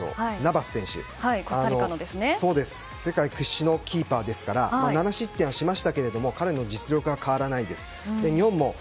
コスタリカの世界屈指のキーパーですから７失点はしましたが彼の実力は変わらないです。